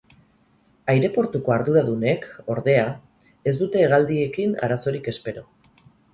Aireportuko arduradunek, ordea, ez dute hegaldiekin arazorik espero.